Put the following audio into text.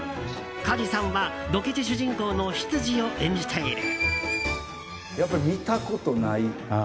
加治さんはドケチ主人公の執事を演じている。